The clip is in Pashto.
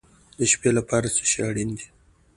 د شپې لپاره څه شی اړین دی؟